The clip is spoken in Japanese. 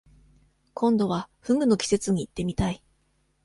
今度は、河豚の季節に行ってみたい。